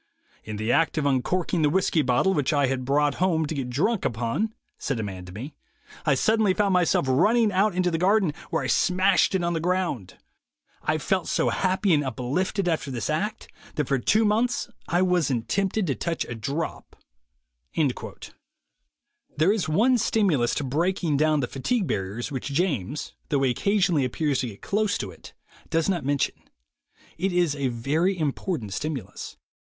'In the act of uncorking the whiskey bottle which I had brought home to get drunk upon,' said a man to me, 'I suddenly found myself running out into the garden, where I smashed it on the ground. I felt so happy and uplifted after this act, that for two months I wasn't tempted to touch a drop.' " There is one stimulus to breaking down the fatigue barriers which James, though he occasion ally appears to get close to it, does not mention. It is a very important stimulus.